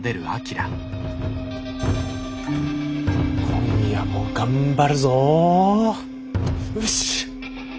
今夜も頑張るぞ。